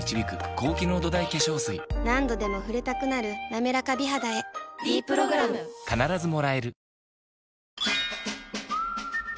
何度でも触れたくなる「なめらか美肌」へ「ｄプログラム」どうも！